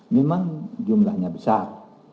memang jumlahnya besar